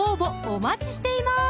お待ちしています